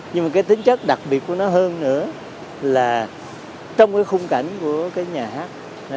nhưng tính chất đặc biệt của nó hơn nữa là trong khung cảnh của nhà hát